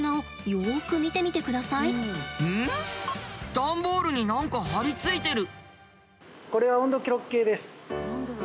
段ボールに何か貼り付いてる。